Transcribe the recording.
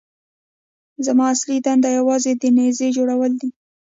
زما اصلي دنده یوازې د نيزې جوړول دي.